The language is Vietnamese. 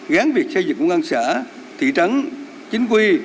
gắn việc xây dựng công an xã thị trắng chính quy